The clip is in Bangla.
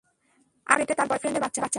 আর তার পেটে তার বয়ফ্রেন্ডের বাচ্চা।